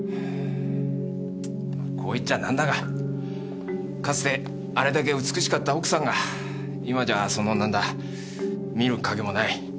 こう言っちゃ何だがかつてあれだけ美しかった奥さんが今じゃその何だ見る影もない。